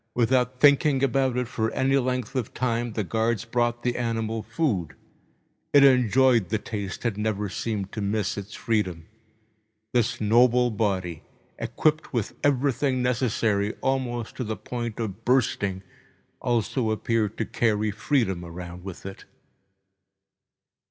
Without thinking about it for any length of time, the guards brought the animal food. It enjoyed the taste and never seemed to miss its freedom. This noble body, equipped with everything necessary, almost to the point of bursting, also appeared to carry freedom around with it.